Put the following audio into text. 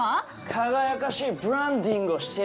輝かしいブランディングをしている